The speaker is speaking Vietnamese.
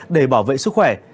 để bảo vệ sức khỏe